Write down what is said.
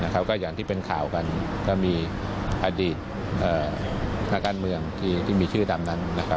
ก็อย่างที่เป็นข่าวกันก็มีอดีตนักการเมืองที่มีชื่อดำนั้น